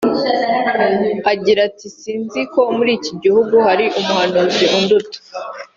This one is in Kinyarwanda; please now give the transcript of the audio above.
Agira ati “Si nzi ko muri iki gihugu hari umuhanuzi unduta